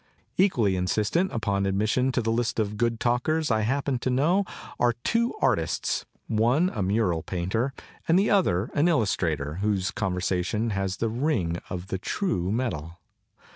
Equally insistent upon admis sion to the list of the good talkers I happen to know are two artists, one a mural painter and the other an illustrator, whose conversation has the ring of the true metal.